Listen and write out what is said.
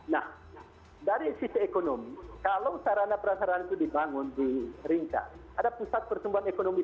nah dari sisi ekonomi kalau sarana prasarana itu dibangun di ringka ada pusat pertumbuhan ekonomi